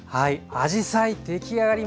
あじさい出来上がりました。